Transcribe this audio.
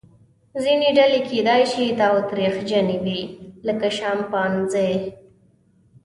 ځینې ډلې کیدای شي تاوتریخجنې وي لکه شامپانزې.